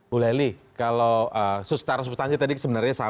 bu lely kalau sustara sustari tadi sebenarnya sama